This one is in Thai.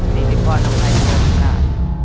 สิริพรอมไพพงค์ครับ